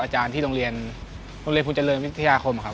อาจารย์ที่โรงเรียนโรงเรียนคุณเจริญวิทยาคมครับ